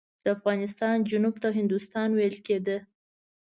د افغانستان جنوب ته هندوستان ویل کېده.